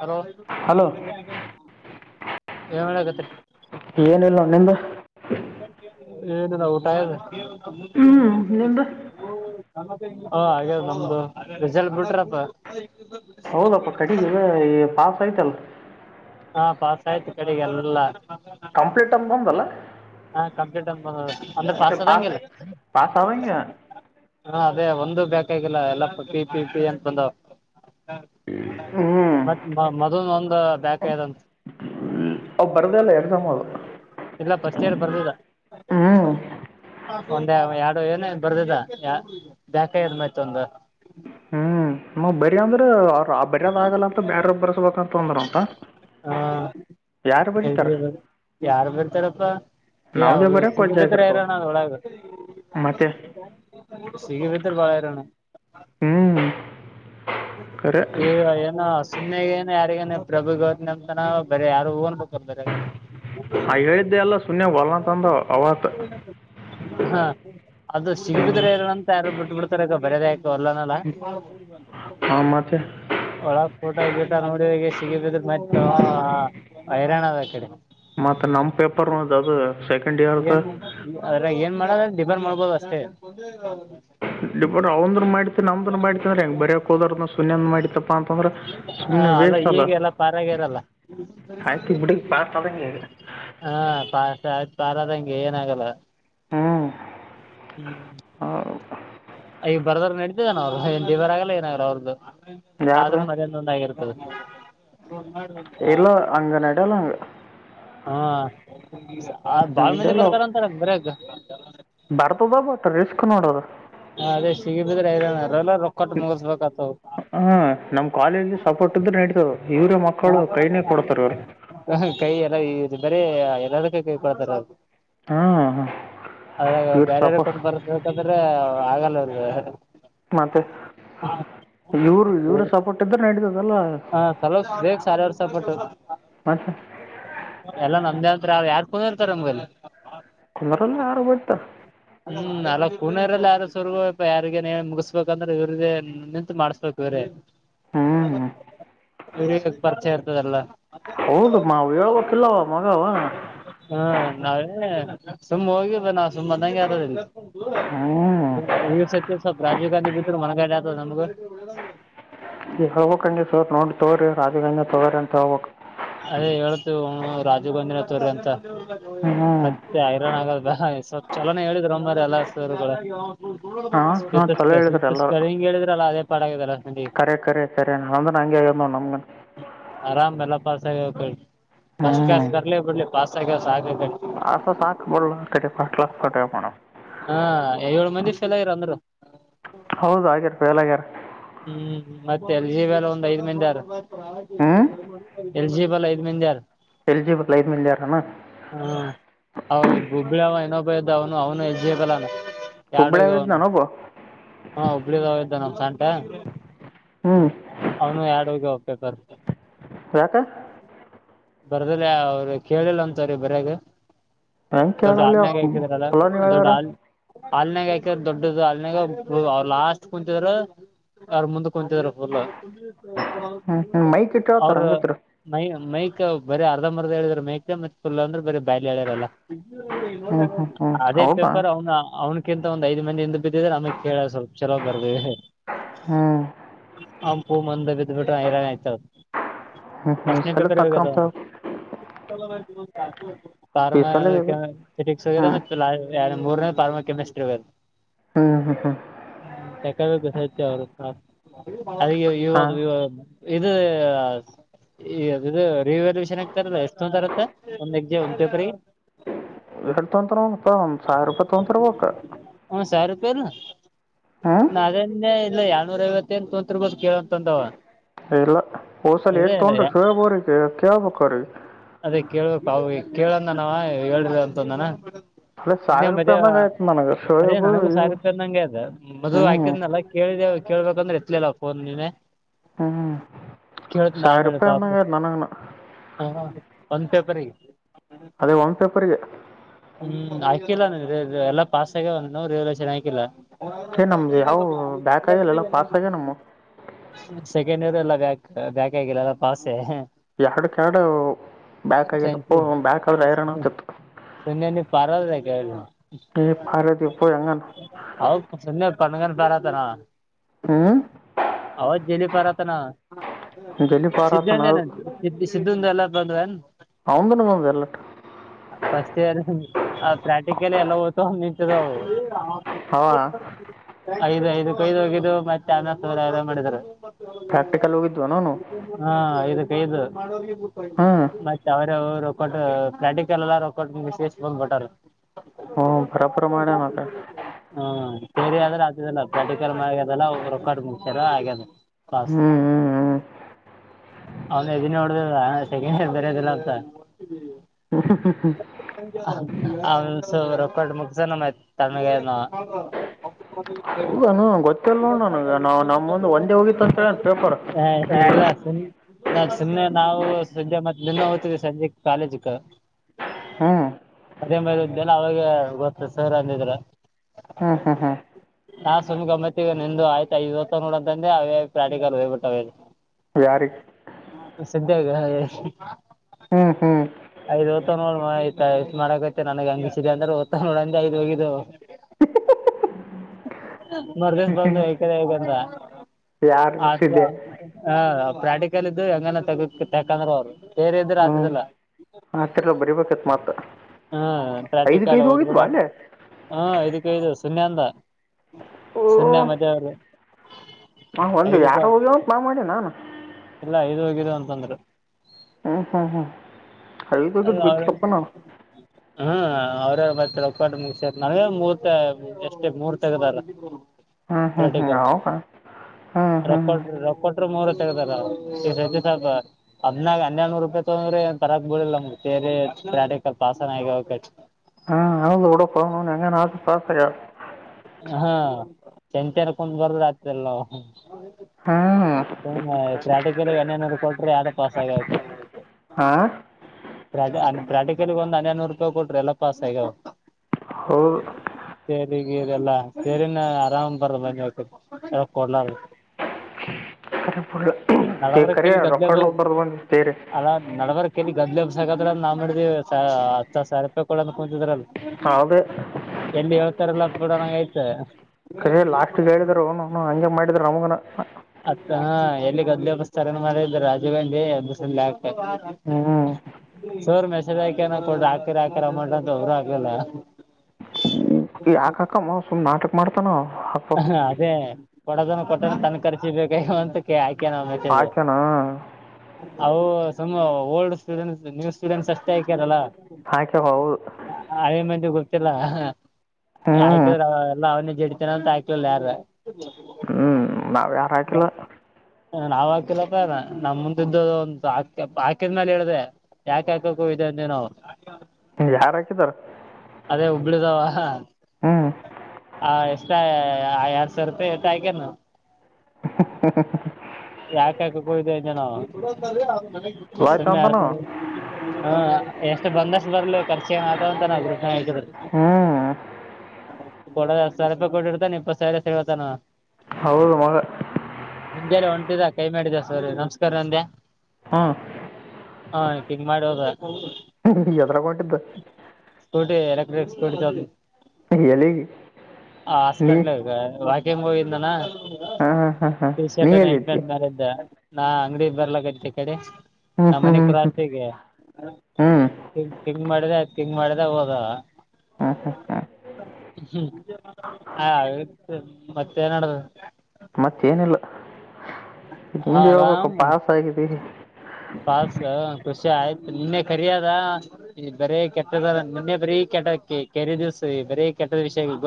Hello hello ಏನ್ ಮಾಡಾಕತ್ತೀರಿ ಏನಿಲ್ಲ ನಿಂದ ಏನದ ಊಟಾಯ ಹ್ಮ್ ಹಓ ಹಾಗ್ಯದು ನಮ್ದು ರಿಸಲ್ಟ್ ಬಿಟ್ರಪ್ಪ ಹೌದಪ್ಪ ಕಡಿಗವ ಪಾಸ್ ಆಯ್ತಲ್ ಹಾ ಪಾಸ್ ಆಯ್ತು ಕಡೆಗೆ ಎಲ್ಲಲ್ಲ ಕಂಪ್ಲೀಟ್ ಅಂತ ಬಂದಲ್ಲ ಕಂಪ್ಲೀಟ್ ಅಂದ್ರೆ ಮತ್ತೆ ಪಾಸದಂಗ ಪಾಸ್ ಪಾಸ್ ಆದಂಗೆ ಹ ಅದೇ ಒಂದು ಬೇಕಾಗಿಲ್ಲ ಎಲ್ಲಾ ಪಿ ಪಿ ಪಿ ಅಂತ ಬಂದಾವ ಹ್ಞೂ ಮತ್ ಮದ್ನ್ ಒಂದ ಬ್ಯಾಕ್ ಇದಂತ ಅವು ಬರ್ದಲ್ಲ ಎಕ್ಸಾಮ್ ಅದು ಇಲ್ಲ ಫಸ್ಟ್ ಇರ್ ಬರ್ದಿದ ಹ್ಞೂ ಒಂದ ಎರಡು ಏನ ಬರ್ದದ ಬೇಕದ ಮತ್ತ ಒಂದು ಹ್ಞೂ ನಾವು ಬರಿ ಅಂದ್ರ ಅವರು ಆ ಬರಿದ್ ಆಗಲ್ಲ ಅಂತ ಬೇರೆಬ್ ಬರ್ಸ್ಬೇಕಂತ ಅಂದ್ರಂತ ಯಾರು ಬರೀತಾರೆ ಯಾರು ಬರ್ತಾರಪ್ಪಾ ಯಯ ನಮ್ಮದೇ ಬರೆಯೋಕೆ ವಜ್ಜೆ ಸಿಗಿಬಿದ್ರೆ ಆಗಿರ್ತವೆ ಇರೋಣ ಅದ್ ಒಳಗೆ ಮತ್ತೆ ಸಿಗಬೇಕಿದ್ದೆ ಬಾಳ ಇರೋಣ ಹ್ಮ್ ಇ ಏನ ಸುನ್ನಗ ಏ ಯಾರಿಗಏ ಪ್ರಭು ಗವತ್ ನಮ್ನ ಬರ ಯಾರು ಬರ ಹಾ ಹೇಳಿದ್ದೆ ಎಲ್ಲ ಸುನ್ಯ ಬಲ್ಲಂತ ಹಾ ಅದು ಸಿಗಬಿದ್ರೆ ಯಾರು ಬಿಟ್ಟ ಬಿಡ್ತಾರೆ ಬರದ ಆಯಕು ಅಲ್ಲನಲ್ಲ ಹಾಂ ಮತ್ತೆ ಒಳ ಫೋಟೋ ಗಿಟ ನೋಡಾಗ ಸಿಗಿ ಬಿದ್ರೆ ಮತ್ತ ಹೈರಾಣ ಅದ್ ಕಡೆ ಮತ್ತೆ ನಮ್ ಪೇಪರ್ ಅದು ಸ ಏನ್ ಅದ್ರ ಏನ್ ಮಾಡದ ಡಿಬಂಡ ಮಾಡ್ಬೋದು ಅಷ್ಟೇ ಡಿಪ ಅವಂದ್ರ ಮಾಡ ಮತ್ತ ನಮ್ದನ್ ಮಾಡಿ ಅಂದ್ರೆ ಹೆಂಗ ಬರಯಕ್ ಹೋದಾರದ ಸುಮ್ಮನೆ ಮಾಡತ್ತಪ್ಪಾ ಅಂತಂದ್ರ ಸುಮ್ಮನೆ ವೇಸ್ಟ್ ಅಲ್ಲ ಈಗ ಎಲ್ಲ ಪಾರಾಗ್ಯಾರಲ್ಲ ಆಯ್ತು ಬಿಡಿ ಪಾಸ್ ಆದಂಗೆ ಈಗ ಹ ಆಯ್ತು ಆರಾಧಂಗೆ ಏನ ಆಾಗಲ್ಲ ಹ್ಞೂ ಹ್ಮ್ ಅಯ ಬರದಾರ ನಡಿ ಅವರು ದಿವರಾಗಲ್ಲ ಏನಾಗ್ರ ಅವ್ರದ್ದು ಆದ್ರೂ ಯಾರ್ದು ಮದಂದೊಂದ ಆಗಿರ್ತದೆ ಹಾ ಇಲ್ಲ ಹಂಗೆ ನಡೆಯಲ್ಲ ಹಂಗೆ ಆ ಬಾಳ ಮಂದಿ ನಡೆಯಲ್ಲ ಬರ್ತಾರ ಅಂತಾರ ಬರಾಗ ಬರ್ತದ ಬಟ್ ರಿಸ್ಕ್ ನೋಡೋದು ಹ ಅದೇ ಸಿಗಿ ಬಿದ್ರೆ ನ ಎಲ್ಲ ರೊಕ್ಕಟ್ಟ ಮುಗಸ್ಬೇಕತ್ವ ನಮ್ ಕಾಲೇಜ್ ಸೋರ್ಟ್ ಇದ್ರ ನಡತದೆ ಕೈ ಎಲ್ಲ ಇ ಬರ ಎಲ್ಲದಕ್ಕ ಕೈ ಕೊಡ್ತಾರ ಅದು ಹಾಂ ಹಾಂ ಅದ್ರಾಗ ಇವ್ರ ಬೇರೆ್ರ ಸಪೋರ್ಟ್ ಕುೂಂದ್ ಬರ್ದಬೇಕಾದ್ರೆ ಆಗಲ್ಲ ಅವ ಮತ್ತೆ ಇವ್ರು ಇವರು ಸಪೋರ್ಟ್ ಇದ್ರ ನಡಿದ ಹಾ ಸಲೋ ಬೇಗ ಸಾರವರ್ ಸಪಟ್ಟ ಮತ್ತೆ ಎಲ್ಲ ನಮ್ದೇ ಅತ್ರಿ ಅವ ಯಾರ್ ಕುಂದ ಇರ್ತಾರ ನಮ್ಗೆಲ್ಲ ತಂದರಲ್ಲ ಯಾರಬತ ಪುಣರಲ್ಲಿ ಯಾರ ಸವರ್ಗೂ ಇ ಯಾರಿಗೆ ನೀೇ ಮುಗಿಸ್ಬೇಕಂದ್ರೆ ಇವ್ರಿಗೆ ನಿಂತು ಮಾಡ್ಸ್್ಬೇಕು ಇವರೇ ಹ ಹ್ಞೂ ಇವ್ರಿಗೆ ಪರಿಚಯ ಇರ್ತದಲ್ಲ ಹೌದು ಮಾವು ಹೇಳ್ಬೇಕಿಲ್ಲವ ಮಗವ ಹಾ ನಾವೇ ಸುಮ್ಮ್ ಹೋಗಿದ್ದ ನಾವು ಸುಮ್ಮ್ ಅಂದಗೆ ಯಾರದ ಹ್ಞೂ ಸ ರಾಜೀವ ಗಾಧಿ ಭತರು ಮನ ಕಾಯ ಜತ ಅಂದಗ ಈಗ ಹೋಗಕ್ಂಗ ಸರ್ ನೋಡಿ ತಗ್ರಿ ರಾಜುಗಾಂಧಿ ತೊಗೋರಿ ಅಂತ ಹೋಗಕ್ ಅದೇ ಹೇಳೇತು ರಾಜು ಗಾಂಧಿ ತೊಗರಿ ಅಂತ ಹ್ಞೂ ಮತ್ತೆ ಐರಣ್ ಆಗಲ್ವಾ ಸ್ವಲ್ ಚಲೋನ ಹೇಳಿದ್ ಮಾರಾಯ ಎಲ್ಲಾ ಸಾರಗಳು ಹಾಂ ಹಾಂ ಸ ಚಲೋ ಸ್ಪೆ ಹೇಳಿದ್ರಿ ಸುತ್ತ ಎಲ್ಲರೂ ಸ್ಪೆಲಿಂಗ್ ಹೇಳಿದ್ರಲ್ಲ ಅದೇ ಪಾಡ ಆಗದಲ್ಲ [unintelligible] ಅಗೆ ಹೇಳ್ [unintelligible] ನಮ್ಮ [unintelligible] ಆರಾಮ್ ಎಲ್ಲ ಪಾಸ್ ಆಗ್ಯವ್ ಫಸ್ಟ್ ಕ್ಲಾಸ್ ಬರ್ಲಿೇ ಬಿಡ್ಲಿ ಪಾಸ್ ಆಗ್ಯ ಸಾಕ್ ಆಸ್ಟೇ ಸಾಕ ಬುಡ್ಲ ಕಡೆ ಪಾಸ್ಟ್ ಕ್ಲಾಸ್ ಕಟ್ಕಯಡ್ ಏನ್ಮಾಡಮ್ಮ ಹಾ ಏಳ ಮಂದಿ ಫೇಲ್ ಆಗ್ಯಾರ ಅಂದ್ರು. ಹೌದು ಆಗ್ಯಾರ ಫೇಲ್ ಆಗ್ಯಾರ ಹ್ಮ್ ಮತ್ತೆ ಎಲ್ ಎಲ್ಲ ಒಂದ್ ಐದ್ ಮಂದಿಾರ ಹ್ಞೂ ಎಲ್ಜಿಬಲ್ ಐದು ಮಂದಿಹಾರ ಎಲಿಜಿಬಲ್ ಐದು ಮಿಲ್ಯಾರನ ಹ ಹ ಗೂಬಳಾವನ [unintelligible] ಬ ಇದ್ದ [unintelligible] ಅವನು ಅವನು ಎಜ್ಜಲ್ಲಾನ [unintelligible] ಎರಡು ಹುಬ್ಳ್ಯಾಗ ಹೋಗ್ಯಾವ ಇದ್ದ ಅವನು ನಾನೊಬ್ಬ ಹುಬ್ಬಳ್ಳಿ ಇದ ನಮ ಸಟ ಹ್ಞೂ ಅವನು ಎರಡುಹೋಗ್ಯಾವ ಪೇಪರ್ ಯಕ ಬರ್ದಿಲ್ಲಯ ಅವ್ರ ಕೇಳಿಲ್ಲ ಅಂತವ್ರೀ ಬರ್ಯಾಗ ಹೆಂಗೆ ದೊಡ್ಡ ಕೇಳಲ್ಲ ಹಾಲ್ನ್ಯಾಗ್ ಹಾಕಿದ್ರಲ್ಲ ಚಲೋನೇ ದೊಡ್ಡ ಹೇಳ್ಯಾರ ಹಾಲ್ ಹಾಲ್ನಾಗ ಆಕಿದ್ರು ದೊಡ್ಡ್ದದು ಹಾಲ್ನಯಾಗ ಅವ್ರು ಲಾಸ್ಟ್ ಕುೂಂತಿದ್ರ. ಅವ್ರು ಮುಂದ ಕುಂತಿದಾರಫುಲ್ ಹ್ಞೂ ಮೈಕ್ ಇಟ್ಟು [unintelligible] ಹೇಳ್ತಾರೆ ಅವ್ರು ಹಂಗತ್ರಿ ಮೈ ಮೈಕ್ ಬರ ಅ ಅರ್ಧ ಬರ್ದ ಹೇಳ್ರ ಮೇಕೆ ಮತ್ ಫುಲ್ಲ ಅಂದ್ರೆ ಬಾಯಿಲ್ಲೆ ಹೇಳ್ಯಾರಲ್ಲ ಹ್ಮ್ ಹ್ಮ್ ಹ್ಮ್ ಅದೇ ಹೌದಾ ಪೇಪರ್ ಅವನ ಅವ್ನ ಅಕಿಂತ ಒಂದ ಐದ ಮಂದಿಿಂದ ಬಿದ್ದಿದ್ರೆಮೇ ಕೇಳ ಸ್ವಲ್ಪ ಚಲೋ ಬರ್ದವಿ ಹ್ಮ್ ಮುಂದ್ ಬಿದ್ದ್ ಬಿಟ್ರೆ ಐರಾಣ ಆಯ್ತದ [unintelligible] ಹ್ಮ್ ಹ್ಮ್ ಈ ಪಾಸ್ಟಾನೇ ಸಲ ಪೇಪರ್ ಹೊಗೈತೆ ತಕ್ಕಂತ ಆರು ಪಾರಸ್ ಈ [unintelligible] ಮ [unintelligible] ಸಲ ಇದು ಹ್ಮ್ ಯ [unintelligible] ಮೂರ್ ಪಾರ್ಮ ಕೆಮಿಸ್ಟ್ರಿ ಹ್ಮ ಹ್ಮ್ ಹ್ಮ್ ಹ್ಮ್ ತಕ [unintelligible] ಬ [unintelligible] ಕಸ ಹ [unintelligible] ಅದ [unintelligible] ಹಾ ವಿವಾದ ವಿವ ಇದು ಈ ಅದದು ರಿವೆಲ್ಯೂಷನ್ ಆಗ್ತಾರಲ್ಲ ಎಷ್ಟೊಂತರತ್ತ ಒಂದ್ ಎಕ್ಸಾಮ್ ಒಂದ್ ಪೇಪರ್ಗೆ ಎರಡ್ ತೊತಾರಪ್ಪ ಒಂದ್ ಸಾವಿರ ರೂಪಾಯಿ ತೊಗೊಂತಿರ್ಬೇಕು ೇ [unintelligible] ನ ಅದನ್ನೇ ಇಲ್ಲ ಎಳ್ನೂರ [unintelligible] ಐವತ್ತ ನ್ ತೊತ್ [unintelligible] ಬದ ಕೇಳಂತಂದವ ಎಲ್ಲ ಹೋದಸಲ್ ಅದೇ ಎಷ್ಟುರ್ತೊಂಡ್ರಿ ಶುಯಬ್ರಗ ಕೇಳಬೇಕ್ ಅವ್ರಿಗೆ ಅದೇ ಕೇಳ್ಬೇಕ ಅವ ಕೇಳಂದನಾವ ಹೇಳ್ರ ಅಂತಂದನ ಅದೇ ಇನ್ನೆ ಸಾವಿರ ಮದ ರೂಪಾಯಿ ಅಂದಂಗ ಆಯ್ತು ನನಗೆ ಅದೇ ಶೋಯಬ್ ನನಗೂ ಇವು ಸಾವಿರೂಪಿ ಅಂದಂಗೆ ಅದ ಮದ್ಲ್ ಹ್ಮ್ ಹಾಕಿದನಲ್ಲ ಕೇಳಿ ಕೇಳ್ಬೇಕಂದ್ರೆ ಎತ್ಲಿಲ್ಲ ಫೋನ್ ನೀೇ ಹ್ಮ್ [unintelligible] ಕೇಳತಿನ್ ಸಾವಿರ ಅಮೇಲೆ ರೂಪಾಯಿ ಪಾಪ ಅಂದಂಗ ಆಯ್ತು ನನಗನ ಒಂದ್ ಪೇಪರ್ಗೆ ಅದೇ ಒಂದ್ ಪೇಪರ್ಗೆ ಹ್ಮ್ ಹಾಕಿಲ್ಲ ನ ಎಲ್ಲ ಪಾಸ್ ಆಗ್ಯಾವ ಒಂದ್ ರಿವ್ಯಾಲ್ವೆಶನ್ ಹಾಕಿಲ್ಲ ಏ ನಮ್ದು ಯಾವ ಬ್ಯಾಕ್ ಆಗಿಲ್ಲ ಎಲ್ಲ ಪಾಸ್ ಆಗ್ಯ ನಮ್ಮ [unintelligible] ಸೆಕೆಂಡ್ ಇಯಾರ್ ಲ್ಲಿ ಅಕ್ ಬ್ಯಾಕ್ ಬ್ಯಾಕ್ ಆಗಿಲ್ಲಲ್ಲ ಪಾಸೆ ಎರಡು ಕೆರಡು ಬ್ಯಾಕ್ ಆಗಿಲ್ಲಪ್ಪ ಬ್ಯಾಕ್ ಆದ್ರೆ ಐರಣ ಆಗ್ತತ್ತು ಸೂನ್ಯ [unintelligible] ನೀ ಪಾರ್ವ [unintelligible] ಏ ಪಾರದಿಪ್ಪ ಹೆಂಗನ ಹೌದು [unintelligible] ಸನ್ಯಾ ಪನ್ಗನ್ [unintelligible] [unintelligible] ಬಾರತಾನ [unintelligible] ಹ್ಮ್ ಅವತ್ ಜಲಿ ಪಾರತಾನ ಜಲ್ಲಿ ಪಾರ ಆತನ ಸಿದ್ದಂದ [unintelligible] ಏನ [unintelligible] ಸಿದ್ದಂದ ಎಲ್ಲ ಮ [unintelligible] ಅವಂದನು ಬಂದ ಎಲ್ಲ ಫಾಸ್ಟ್ [unintelligible] ಪ್ರಾಕ್ಟಿಕಲಿ ಎಲ್ಲ ಒತ್ತವೇ ಅವು ನಡೆಯುತ್ತದೆ ಹವ ಐದು ಐದು ಕೈದು ಹೋಗಿದ್ದು ಮತ್ತೆ ಅಮವರ [unintelligible] ಎಲ್ಲ ಮಾಡಿದರು [unintelligible] ಪ್ರಾಕ್ಟಿಕಲ್ ಹೋಗಿದ್ವ ನಾನು ಹಾ ಐದಕ್ಕೆೈದು ಹ್ಮ್ ಮತ್ತೆ ಅವರರುಕ್ಕಟ್ಟ ಪ್ರಾಕ್ಟಿಕಲ್ ಎಲ್ಲ ರೋಕ್ಕಟ್ಟ ಮುಗಿಗ್ಸಿಸ್ ಬಂದ್ಬಟ್ಟಾರ ಹ್ಞೂ ಬರಬರ ಮಾಡ್ಯಾನ ಆತ [unintelligible] ಹಾ ಸೇರಿ ಆದ್ರೆ ಆತದಲ್ಲ ಪ್ರಟಿಕ್ರಮ ಆಗ್ಯದಲ್ಲ ರೊಕ್ಕಾ ಮುಸ್ಯಾರ ಆಗ್ಯದ. ಹ್ಮ್ ಹ್ಮ್ ಅವನ ಇೋಡ ಸೆಕೆಂಡ್ ಸಜರಿದೆಲ್ಲ ಆತ ಹ್ಮ್ ಅವ ಸೌರ ಕೊಂಡು ಮುಗಸ ನಮ್ಮ ತಣಗ ಹೌದನು ಗೊತ್ತಿಲ್ಲ ನೋಡು ನನಗೆ ನಾವು ನಮ್ಮ ಮುಂದೆ ಒಂದೇ ಹೋಗಿತ್ತು ಅಂತ ಹೇಳ ಪೇಪರ್ ಹಾ -ಇಲ್ಲ ಸು -ನ- ಸುಮ್ನೆ ನಾವು ಸಂಜೆ ಮತ್ತ ದನ್ನ ಗ್ತಿದೆ ಸಂಜೆ ಕಾಲೇಜಕ್ ಹ್ಮ್ ಮದ ಮ್ದೇಲ್ಲ ಅವಾಗ ಗೊತ್ತ ಸರ್ ಅಂದಿದ್ರ ಹ್ಮ -ಹ್ಮ -ಹಾ ನಾ -ಸುಮ್ ಗಮ್ಮತ್ತವ ನಿಂದುು ಆಯ್ತಾ ಐದುವತ್ತು ನೋಡ ಅಂತಂದೆ ಅವೇ ಪ್ರಾಣಿಿಕರು ಹೋಗ್ಬಟ್ಟ ಅವೇ. ಯಾರಿಗೆ ಸದ್ಯಾಗ ಹ್ಮ್ ಹ್ಮ್ ಆಯ್ದು ತ ನೋಡುವ ಆಯ್ತ. ಇ- ಮಾಡಕೈತ್ತತೆ ನನಗೆ ಹಂಗಿಸಿದೆ ಅಂದ್ರೆ ದ್ತ ನೋಡೆ ಐದು ಹೋಗಿದ್ದು. [inaudible] ನರ್ ದಿವಸ ಬಂದು ಹಕದ ಹಗಂತ. ಯಾರು ಸಿದ್ದೆ ಅವಾ- ಹ -ಪ್ರಾಕ್ಟಿಕಲ್ ಇದ್ದು ಹೆಂಗನ ತೆಗ ತಕಂದ್ರರು ಅವ್ರು. ಬೇರೆ ಇದರು ಆತದಲ್ಲ. ಆತರ್ಲ ಬರಿಬೇಕತ್ ಮಾತ್ರ ಹ್ಮ್ ಪ್ರಾಕ್ಟಿಕಲ್ ಐದ್ಗೈದು ಓದ್ಬಿಡ ಹೋಗಿತ್ವಾ ಅಲ್ಲೇ. ಹಾ- ಇದಕ್ಕೆ ಇದು ಸೂನ್ಯ ಅಂದ ಓ ಸೂನ್ಯ ಮದವರು. ನಾ ಒಂದು ಐದಕ್ಕೂ ಯಾರೋ ಹೋಗ್ಯಾವ ಅಂತ ನಾ ಮಾಡಿ ನಾನು ಇಲ್ಲ ಐದು ಹೋಗಿರ ಅಂತಂದ್ರು. ಹ್ಮ್ -ಹ್ಮ್ -ಹ್ಮ್ -ಹ -ತ -ಗ ಅದು ಅವ್ರ [unintelligible] ಲ ನ ಮುಗ ನನ ಮೂರ್ತ ಎಷ್ಟೇ ಮೂರ್ ತಗದಾರ. ಹ್ಮ್ ಹ್ಮ್ ಪ್ರಕ್ ಹ್ಮ್ ಹೌದಾ ಹ್ಮ್ ರೂಕ್ ಹ್ಮ್ ರೂಟ್ ಕೂಟ್ರ್ ಮು. ತಿಲ್ಪ ಹದ್ ಹನ್ನೆಡುನೂರು ರೂಪಾಯಿ ತೊಂದ್ರ ಪರಾ ಬಳಿಲ್ಲ. ರೆಾಡ ಕಲ್ಪ ಆಾಸನ ಆಗಕ [unintelligible] ಹಾ ಅವಂದು ಕಡ ಪಣ ಎಂಗ ನಾಕು ಪಾಸೆಯ [unintelligible] ಹ ಚಂತೆರ ಕುತಡ್ ಬರದ ಆತ್ ಎಲ್ಲ. ಹಾ- ಸು -ಪ್ರಾಟಿಕಿಗೆ ಅನ್ಯನ್ರು ಕೊಟ್ರೆ ಯಾವ್ದ ಪಾಸ ಆಗ ಆಗ್ತತಿ ಹಾ ಪ್ರ -ಪ್ರಾಕ್ಟಿಕಲಿ ಒಂದು ಹನಿನನೂರು ರೂಪಾಯಿ ಕೊಟ್ರಿ ಎಲ್ಲ ಪಾಸ್ ಆಗಾವ. ಹೌದು ಸರಿ ಲ್ಲ- ಸೇರಿನ ಆರಾಮ್ ಬರ ಮ ಕೊಡ್ಲಾರ. ಎಲ್ಲಿ ರೆ- ಗದ್ಲೆ ಬ ರೊಕಡ್ಲ ಹೋಗ್ ಬಾರದು ಬಂದು ತರೆ. ಗದ್ಲೆಬ್ಸಕದ್ರ ಅ- ನಾ -ಮಾಡಿದವಿ -ಹ- ಸರ್ಪ ಕೊಳ ಅನ್ಕೋತಿದ್ರಲ್ಲ. ಅದೇ ಎಲ್ಲಿ ಯಾವತರೆ ಎಲ್ಲ ಬಿಡೋ ನಂಗ ಆಯ್ತ ಕರೆ ಲಾಸ್ಟಿಗೆ ಹೇಳಿದ್ರು ಅವನು [unintelligible] ಅವನು ಹಂಗೆ ಮಾಡಿದ್ರು ನಮಗನ ಅತ್ತ -ಹ ಎಲ್ಲಿ ಗದ್ಲಿ ಒಬ್ಸ್ತಾರ ಮಾಡಿದ್ದ್ ರಾಜೀವ್ ಗಾಂಧಿ ಎಸ ಆತ. ಹ್ಮ್ ಸೋರ್ ಮೆಸದಾಕನ ಕೊಡ್ರ ಆಕರಿ ಹಾಕರಿ ಅಮೌಂಟ್ ಅಂತ ಅವರು ಆಕಲ್ಲ. ಯಾಕಕಮ್ಮ ಸುಮ್ ನಾಟಕ ಮಾಡ್ತಾನ. ಹಾಕ್ಬೇಕು ಹ- ಅದೇ ಕೊಡೋದನ್ನು ಕೊಟ್ಟನೆ ತನ್ ಕರ್ಚಿ ಬೇಕಾಯ. ಆಯ್ಕೆ- ನಮಗಿ ಹಾಕ್ಯಾನ ಅವು ಸುಮ್ಮ ಓಲ್ಡ್ ಸ್ಟೂಡೆಂಟ್. ನೀವು ಸೂಡೆನ್ಸ್ ಅಷ್ಟೇ ಆಯಕಾರಲ್ಲ ಹಾಕ್ಯಾವ ಹೌದು ಅವೇ ಮಂದ ಗೊತ್ತಿಲ್ಲ. ಹ್ಮ್ ಆಯ್ಕಿದ್ರ ಅವ ಎಲ್ಲ ಅವನ್ನೇ ಜಡಿತನಂತ ಆಯಕ್ಲಿಲ್ಲ ಯಾರ. ಹ್ಮ್ ನಾವಯಾರು ಹಾಕಿಲ್ಲ. ನಾವ್ ಹಾಕಿಲ್ಲಪ್ಪ ನಮ್ ಮುಂದ ಇದ್ದ ಒಂದು ಆಕಿದನೇಲ ಹೇಳ್ದ. ಯಾಕ ಹಾಕಕ್ಕ ಹೋಗದ್ದು ಅಂದೆ ನಾವು. ಯಾರ ಹಾಕಿದಾರ. ಅದೇ ಹುಬ್ಳಿದಾವ- ಹ್ಮ್ ಆ -ಎಷ್ಟ ಎರಡ್ ಸಾವರ ರೂಪಾಯಿ ಐತ- ಆ- [unintelligible] ಯಾಕ್ ಹಾಕಕ್ ಹೋಗಿದ್ದೆ ಅಂಜನೋ ಇದ ಬಿಡು ಅಂದಾರಿ ಅದಕ. [unintelligible] ಆಯ್ತು ಸಮ್ಮನೆ ಅಂತಾನು ಅರ್ದ [unintelligible] ಹ. ಎಷ್ಟು ಬಂದಷ್ಟು ಬರ್ಲಿ ಖರ್ಚು ಏನಗೋ ಅದು ಒಂತರ. [unintelligible] ಹ್ಮ್. ಕೊಡ ಹತ್ತ ಸಾವಿರ ರೂಪಾಯಿ ಕೊಟ್ಟಿರ್ತಾನ ಇಪ್ಪತ್ತ ಸಾವಿರ ಇಸ್ಕೊತನ್ನ. ಹೌದ ಮಗ. ಮುಂಚಳಿ ಹೊಂಟಿದ ಕೈ ಮಾಡಿದ ಸರಿ ನಮಸ್ಕಾರ ಅಂದ್ಯಾ. ಹಾ. ಹ ಕಿಂಗ್ ಮಾಡಿ ಹೋದ. [unintelligible] ಹೆದರ ಕೊಂಡಿದ್ದ. Scooty electric scooty. [unintelligible] ಹ ಎಲ್ಲಿಗಿ. ಹ ಹಾಸ್ಪೆಟ್ಲೆಗ ವಾಕ್ಯಂಗ ಹೋಗಿದ್ದೀನಿ ನಾ. ಹಾಂ ಹಾಂ ಹಾಂ ಹಾಂ ಟೀ ನೀ ಶರ್ಟ್ ನೈಟ್ ಎಲ್ಲಿದ್ದಿ ಪ್ಯಾಂಟ್ ಮ್ಯಾಲ್ ಇದ್ದ ನಾ ಅಂಗಡಿ ಬರ್ಲಕ್ಕತಿ ಈ ಕಡಿ. ಹ್ಞೂ ನಮ್ಮ ಹ್ಞೂ ಮನಿ ಹ್ಞೂ ಹ್ಞೂ ಕ್ರಾಸಿಗೆ ಹ್ಞೂ ಟಿಂಗ್ ಟಿಂಗ್ ಮಾಡಿದ. ಟಿಂಗ್ ಮಾಡಿದ ಹೋದ. ಹ್ಞೂ ಹ್ಞೂ [unintelligible] ಮತ್ತೆ ಏನ್ ನಡೆದ. ಆರಾಮ್ [unintelligible] ಪಾಸ ಆಗಿದೆ ನಿ. ಪಾಸ್ ಸ. ವಿಷ ಆಯ್ತು ನಿನ್ನೆ ಕರಿ ಅದ ಈ ಬರೀ ಕೆಟ್ಟದ ನಿನ್ನೆ ಬರೀ ಕೆಟ್ಟ ಕಿ ಕೆರೆ ದಿವ್ಸ. ಬರೇ ಕೆಟ್ಟದ ವಿಷಯ ಇವ.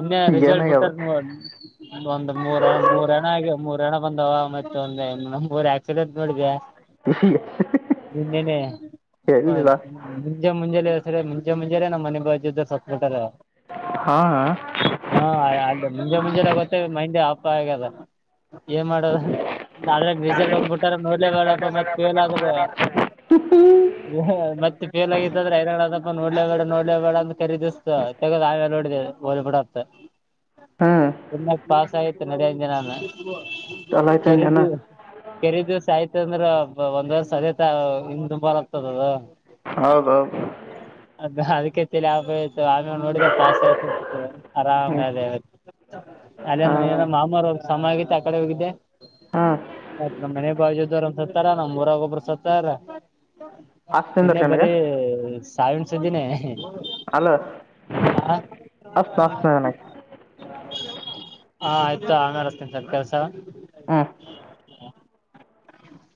ಇನ್ನೆ ರಿಸಲ್ಟ್ ಏನಾಗ್ಯದ ಬಿಟ್ಟಾರ ನ ಒಂದ ಮೂರ ಮೂರ ಹಣ ಆಗಿ ಮೂರ ಹಣ. ಬಂದವ ಮತ್ತ ಒಂದ ಮೂರ ಆಕ್ಸಿಡೆಂಟ್ ನೋಡಿದ್ಯಾಾ. ನಿನ್ನೆ ನೆ ಎಲ್ಲಿಲ್ಲ ಮುಂಜೆ ಮುಂಚಳೆ. ಮುಂಜೆ ಮುಂಜೆ ನಮ್ಮ ಮನೆ ಬಾಜು ದ ಸತ್ ಬಿಟ್ಟರ. ಹಾಂ ಹಾ ಅ ಮುಂಜೆ ಮುಂಜೆನ ಗೊತ್ತ ಅಗೆದ ಮಂದಿ ಆಪ. ತಪ್ಪ ಹಾಗೆದ ಏನ್ ಮಾಡದ [unintelligible] ರಿಸಲ್ಟ್ ಒಂದ ಬಿಟ್ಟಾರ ನೋಡ್ಲೇ ಬ್ಯಾಡೋ. ಮತ್ತ ಫೇಲ್ ಆದ್ರ ಮತ್ತೆ ಫೇಲ್ ಆಗಿತ್ ಅಂದ್ರ [unintelligible] ಹೇಳೋದು. ನೋಡ್ಲೇ ಬೇಡ ನೋಡ್ಲೇ ಬೇಡ ಅಂತ ಕರೀದಿಸ್ತ ತಗದ ಆಮೇಲೆ ನೋಡಿದೆ ಹಓಲಿ ಬಿಡತ್ತ. ಹ್ಞೂ ಪುಣ್ಯಕ್ ಪಾಸ್ ಆಗಿತ್ ನಡಿ ಅಂದೆ ನಾನ. ಚಲೋ ಆಯ್ತು ಅಂದೇನ ಕೆರೀದು ಕೆರೀದು ಸಹಿತ. ಅಂದ್ರ ಒಂದ್ ವರ್ಷ ಸದೆತ ಇನ್ ದುಬಾರ ಆಗ್ತದದ. ಹೌದೌದು. ಅದಕ್ಕೆ ತೇಲಿ ಹಾಫ್. [unintelligible] ತೋ ಆಮೇಲೆ ನೋಡಿದ ಫಾಸ್ ಆಯ್ತುು ಆರಾಮ ಹ್ಞೂ ಅದೇ. ಅಲ್ಲೇನು ಹಾಂ ಏನ ಮಾಮಾರ ಸನ್ನಾಗಿದ್ದ ಆಕಡೆ ಹೋಗಿದ್ದೆ ಹಾಂ ಮತ್ತತ್ ನಮ್ಮ್ ಮನೆ ಬಾಜದವರು. ಸತ್ತಾರ ನಮ್ಮ್ ಊರಾಗ ಒಬ್ಬ್ರ ಸತ್ತಾರ ಅಷ್ಟು ನಿನ್ನೆ ನಿಂದಿರಿ ನನಗೆ ಬರೆ. ಸಾವಿನ ಸುದ್ದಿನೆ. ಅಲ. [unintelligible] ಹಾ ಆಯ್ತು ತೋ ಆಮೇಲೆ ಹಚತಿನಿ ಸಲ್ಪ ಕೆಲಸ ಅವ. ಹ್ಮ್ಹ್. [inaudible]